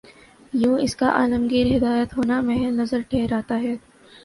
یوں اس کا عالمگیر ہدایت ہونا محل نظر ٹھہرتا ہے۔